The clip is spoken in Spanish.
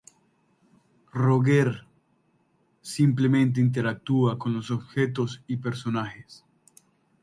Roger simplemente interactúa con los objetos y personajes.